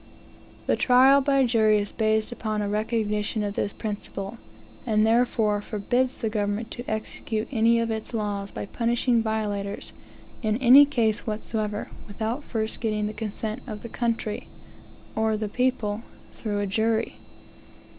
The trial by jury is based upon a recognition of this principle, and therefore forbids the government to execute any of its laws, by punishing violators, in any case whatever, without first getting the consent of "the country," or the people, through a jury.